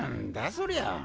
そりゃ！